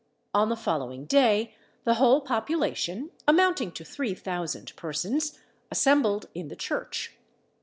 On the following day the whole population, amounting to three thousand persons, assembled in the church.